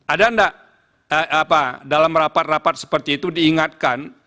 ada nggak dalam rapat rapat seperti itu diingatkan